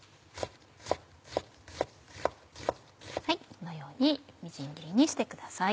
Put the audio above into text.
このようにみじん切りにしてください。